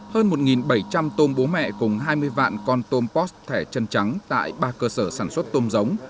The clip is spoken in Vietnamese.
hơn một bảy trăm linh tôm bố mẹ cùng hai mươi vạn con tôm post thẻ chân trắng tại ba cơ sở sản xuất tôm giống